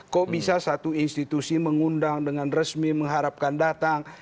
kok bisa satu institusi mengundang dengan resmi mengharapkan datang